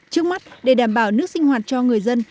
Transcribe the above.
trước mắt để đảm bảo nước sinh hoạt cho người dân